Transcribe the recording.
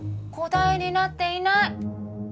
答えになっていない。